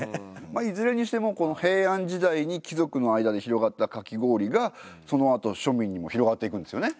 まあいずれにしてもこの平安時代に貴族の間で広がったかき氷がそのあと庶民にも広がっていくんですよね？